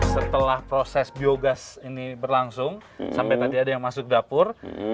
setelah proses biogas ini berlangsung sampai tadi ada yang masuk dapur